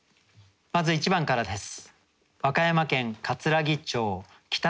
まず１番からです。